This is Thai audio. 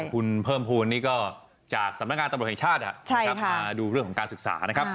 คุณเพิ่มภูมินี่ก็จากสำนักงานตำรวจแห่งชาติมาดูเรื่องของการศึกษานะครับ